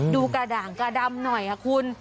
ดูกระด่างกระดำหน่อยค่ะคุณ